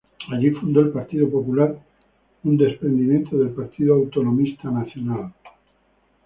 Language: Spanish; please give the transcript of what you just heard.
Allí fundó el Partido Popular, un desprendimiento del Partido Autonomista Nacional.